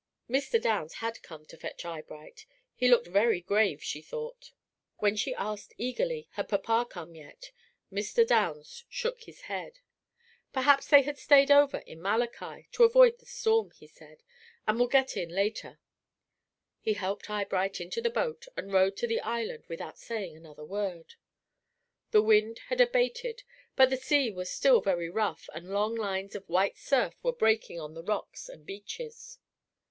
Mr. Downs had come to fetch Eyebright. He looked very grave, she thought. When she asked eagerly, had papa come yet, Mr. Downs shook his head. Perhaps they had stayed over in Malachi, to avoid the storm, he said, and would get in later. He helped Eyebright into the boat, and rowed to the island without saying another word. The wind had abated, but the sea was still very rough, and long lines of white surf were breaking on the rocks and beaches.